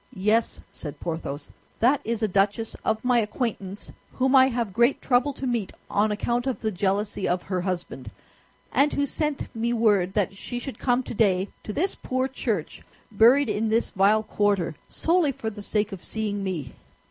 "Yes," said Porthos, "that is a duchess of my acquaintance whom I have great trouble to meet on account of the jealousy of her husband, and who sent me word that she should come today to this poor church, buried in this vile quarter, solely for the sake of seeing me."